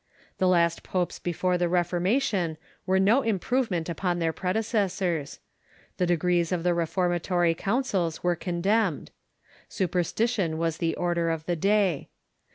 The last popes before the Reformation were no improvement upon their predecessors. The decrees of the reformatory councils 190 THE MEDIEVAL CHURCH were condemned. Superstition was the order of the day.